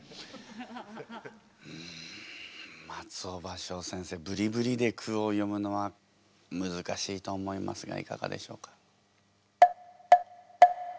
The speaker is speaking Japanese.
うん松尾葉翔先生「ブリブリ」で句を詠むのはむずかしいと思いますがいかがでしょうか。